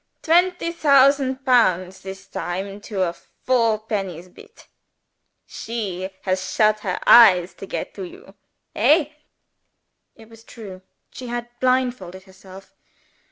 "Twenty thousand pounds this time to a fourpennies bit. She has shut her eyes to get to you. Hey!" It was true she had blindfolded herself!